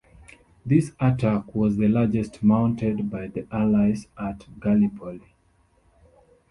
This attack was the largest mounted by the Allies at Gallipoli.